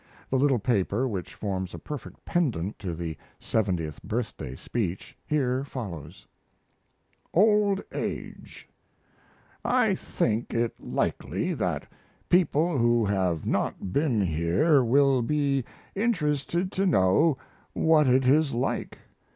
The little paper, which forms a perfect pendant to the "Seventieth Birthday Speech," here follows: OLD AGE I think it likely that people who have not been here will be interested to know what it is like.